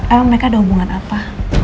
emang mereka ada hubungan apa